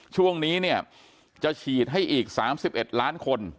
ช่วงนี้เนี่ยจะฉีดให้อีก๓๑ล้านคน